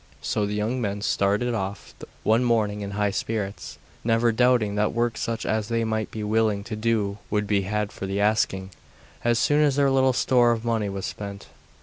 So the young men started off one morning in high spirits, never doubting that work such as they might be willing to do would be had for the asking, as soon as their little store of money was spent.